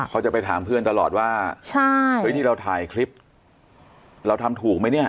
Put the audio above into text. เขาจะไปถามเพื่อนตลอดว่าใช่เฮ้ยที่เราถ่ายคลิปเราทำถูกไหมเนี่ย